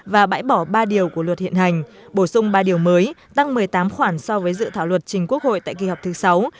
và bãi bỏ ba điều của luật hiện hành bổ sung ba điều mới tăng một mươi tám khoản so với dự thảo luật trình quốc hội tại kỳ họp thứ sáu